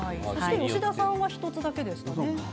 吉田さんは１つだけですね。